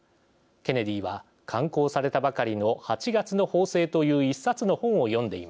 ケネディは刊行されたばかりの「八月の砲声」という一冊の本を読んでいました。